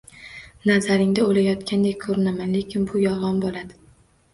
Nazaringda o‘layotgandek ko‘rinaman, lekin bu yolg‘on bo‘ladi...